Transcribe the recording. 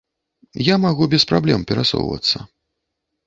Я магу без праблем перасоўвацца.